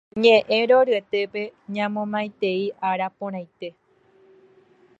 Ñe'ẽ roryetépe ñamomaitei ára porãite.